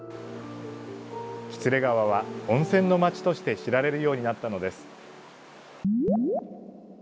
喜連川は温泉の町として知られるようになったのです。